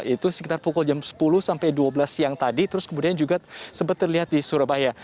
itu sekitar pukul jam sepuluh sampai dua belas siang tadi terus kemudian juga sempat terlihat di surabaya